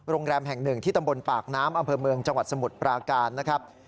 โรงแรมแห่ง๑ที่ตำบลปากน้ำอำเภอเมืองจสมุดปราการนะครับ